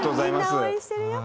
みんな応援してるよ。